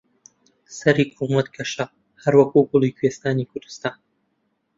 سەری کوڵمت گەشە هەروەک گوڵی کوێستانی کوردستان